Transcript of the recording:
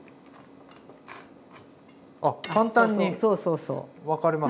あっ簡単に分かれますね。